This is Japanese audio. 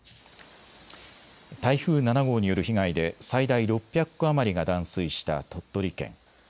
台風７号による被害で最大６００戸余りが断水した鳥取県。